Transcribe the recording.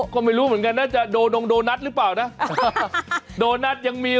ก็ไม่รู้เหมือนกันนะจะโดนงโดนัทหรือเปล่านะโดนัทยังมี